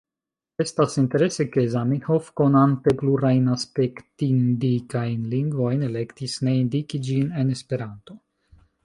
Estas interese ke Zamenhof, konante plurajn aspektindikajn lingvojn, elektis ne indiki ĝin en Esperanto.